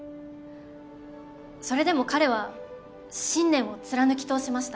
それでも彼は信念を貫き通しました。